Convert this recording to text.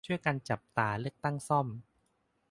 ช่วยกันจับตาเลือกตั้งซ่อม